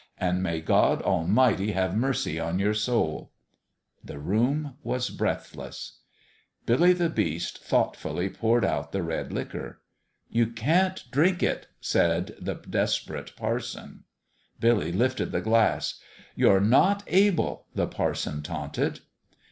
And may God Almighty have mercy on your soul !" The room was breathless. A MIRACLE at PALE PETER'S 309 Billy the Beast thoughtfully poured out the red liquor. " You can't drink it !" said the desperate par son. Billy lifted the glass. "You're not able !" the parson taunted.